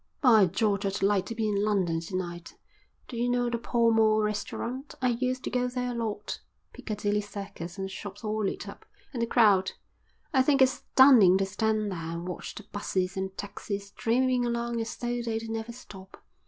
"By George, I'd like to be in London to night. Do you know the Pall Mall restaurant? I used to go there a lot. Piccadilly Circus with the shops all lit up, and the crowd. I think it's stunning to stand there and watch the buses and taxis streaming along as though they'd never stop.